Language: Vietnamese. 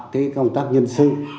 thì công tác nhân sự